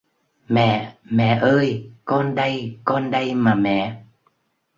Mẹ Mẹ ơi con đây con đây mà mẹ